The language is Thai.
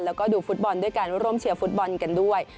แล้วก็ดูฟุตบอลด้วยการร่วมเชียร์ฟุตบอลกันด้วย